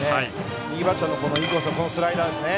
右バッターのインコースのスライダーですね。